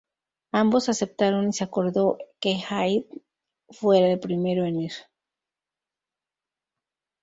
Ambos aceptaron y se acordó que Haydn fuera el primero en ir.